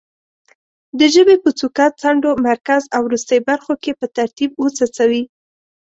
د ژبې په څوکه، څنډو، مرکز او وروستۍ برخو کې په ترتیب وڅڅوي.